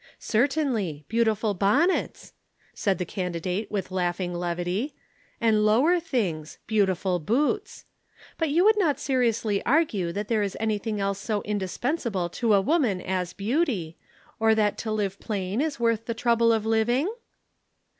"Certainly. Beautiful bonnets," said the candidate with laughing levity. "And lower things beautiful boots. But you would not seriously argue that there is anything else so indispensable to a woman as beauty, or that to live plain is worth the trouble of living?"